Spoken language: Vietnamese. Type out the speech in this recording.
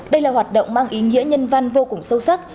đây là hoạt động mang ý nghĩa nhân văn vô cùng sâu sắc